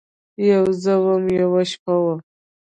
یوه زه وم ، یوه شپه وه